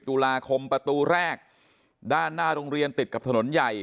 ตุลาคมประตูแรกด้านหน้าโรงเรียนติดกับถนนใหญ่